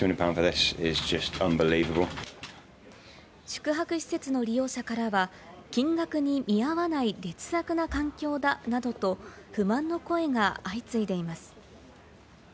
宿泊施設の利用者からは、金額に見合わない劣悪な環境だなどと不満の声が相次いでいます。